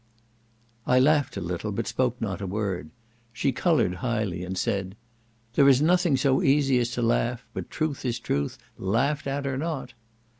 I laughed a little, but spoke not a word. She coloured highly, and said, "There is nothing so easy as to laugh, but truth is truth, laughed at or not."